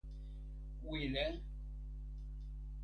wile.